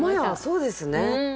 そうですね。